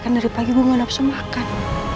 kan dari pagi gue gak ada yang bisa makan